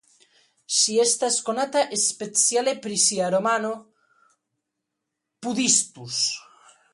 Ŝi estas konata speciale pri sia romano "Puhdistus".